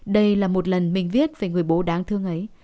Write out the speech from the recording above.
đây là một lần mình viết về người bố đáng thương ấy